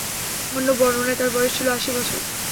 অন্য বর্ণনায় তাঁর বয়স ছিল আশি বছর।